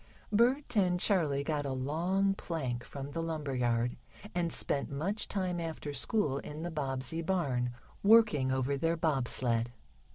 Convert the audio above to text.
Bert and Charley got a long plank from the lumber yard, and spent much time after school in the Bobbsey barn, working over their bob sled.